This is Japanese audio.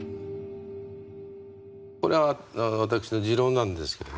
これは私の持論なんですけどね